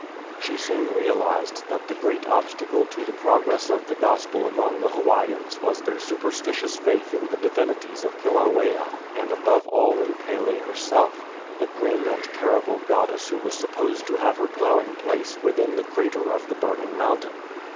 She soon realized that the great obstacle to the pro gress of the Gospel among the Hawaiians was their superstitious faith in the divinities of Kilauea, and above all in Pele herself, the grim and terrible goddess who was supposed to have her dwelling place within the crater of the burning mountain.